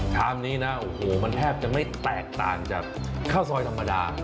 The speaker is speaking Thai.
ชามนี้นะโอ้โหมันแทบจะไม่แตกต่างจากข้าวซอยธรรมดา